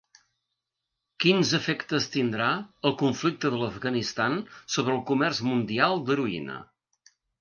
Quins efectes tindrà el conflicte a l’Afganistan sobre el comerç mundial d’heroïna?